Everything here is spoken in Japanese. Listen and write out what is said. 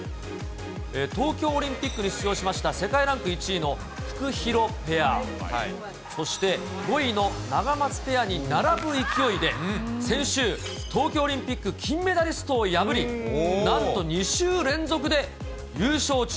東京オリンピックに出場しました世界ランク１位のフクヒロペア、そして、５位のナガマツペアに並ぶ勢いで、先週、東京オリンピック金メダリストを破り、なんと２週連続で優勝中。